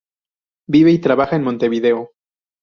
Vive y trabaja en Montevideo.